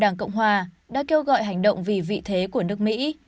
đảng cộng hòa đã kêu gọi hành động vì vị thế của nước mỹ